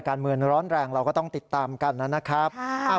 การเมื่อนร้อนแรงเราก็ต้องติดตามกันนะครับ